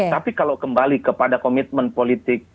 tapi kalau kembali kepada komitmen politik